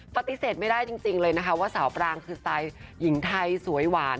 ปฏิเสธไม่ได้จริงเลยนะคะว่าสาวปรางคือสไตล์หญิงไทยสวยหวาน